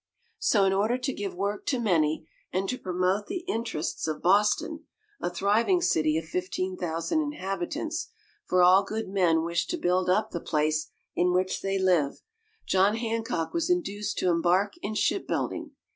So in order to give work to many and to promote the interests of Boston, a thriving city of fifteen thousand inhabitants, for all good men wish to build up the place in which they live, John Hancock was induced to embark in shipbuilding.